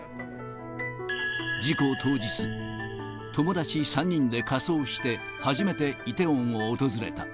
事故当日、友達３人で仮装して、初めてイテウォンを訪れた。